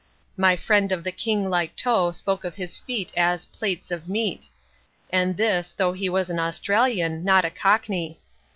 My friend of the king like toe spoke of his feet as "plates of meat" and this though he was an Australian, not a cockney.